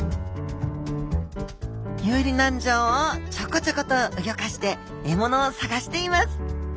遊離軟条をちょこちょことうギョかして獲物を探しています。